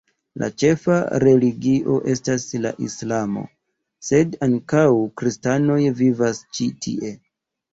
La ĉefa religio estas la islamo, sed ankaŭ kristanoj vivas ĉi tie.